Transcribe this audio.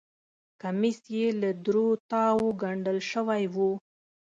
کمیس یې له درو تاوو ګنډل شوی و.